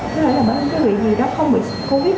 có lẽ là bởi lẽ là người ta không bị covid